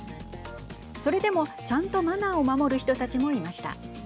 それでも、ちゃんとマナーを守る人たちもいました。